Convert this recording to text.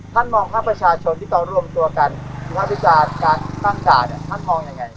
ท่านมองค่าประชาชนที่ต้องร่วมตัวกันค่าวิจารการทำด่านท่านมองยังไง